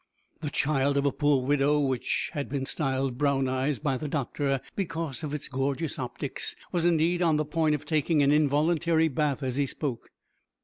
The child of a poor widow, which had been styled Brown eyes by the doctor because of its gorgeous optics, was indeed on the point of taking an involuntary bath as he spoke.